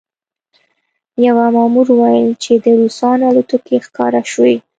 یوه مامور وویل چې د روسانو الوتکې ښکاره شوې